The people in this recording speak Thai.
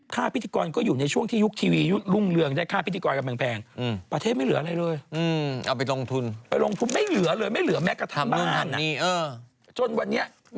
ค่าพิธีกรก็อยู่ในช่วงที่ยุคทีวี